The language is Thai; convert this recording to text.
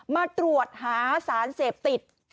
มาตรวจหาสารเสพติด